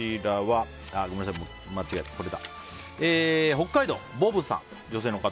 北海道の女性の方。